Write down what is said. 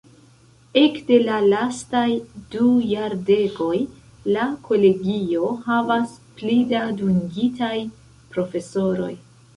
Ekde la lastaj du jardekoj, la kolegio havas pli da dungitaj profesoroj.